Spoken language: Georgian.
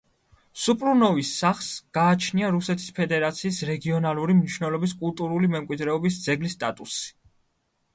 სუპრუნოვის სახლს გააჩნია რუსეთის ფედერაციის რეგიონალური მნიშვნელობის კულტურული მემკვიდრეობის ძეგლის სტატუსი.